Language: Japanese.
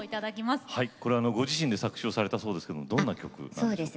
これはご自身で作詞をされたそうですけどもどんな曲なんでしょうか？